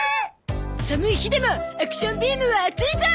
寒い日でもアクションビームは熱いゾー！